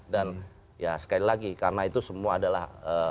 dan ya sekali lagi karena itu semua adalah